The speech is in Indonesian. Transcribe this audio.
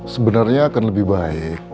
sebenernya akan lebih baik